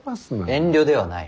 遠慮ではない。